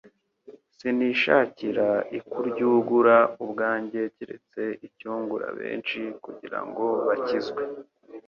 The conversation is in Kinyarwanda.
«Sinishakira ikuryuugura ubwanjye keretse icyungura benshi kugira ngo bakizwe.'»